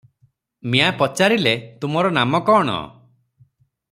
ମିଆଁ ପଚାରିଲେ,"ତୁମର ନାମ କଅଣ?"